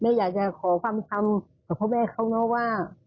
อยากจะขอความทำกับพ่อแม่เขาเนอะว่า